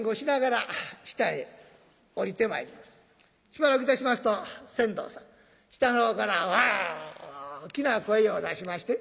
しばらくいたしますと船頭さん下の方から大きな声を出しまして。